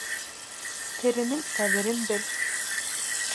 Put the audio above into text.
Теренең ҡәҙерен бел